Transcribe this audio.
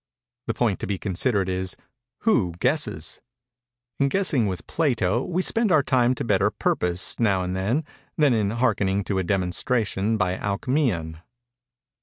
The point to be considered is, who guesses. In guessing with Plato, we spend our time to better purpose, now and then, than in hearkening to a demonstration by Alcmæon.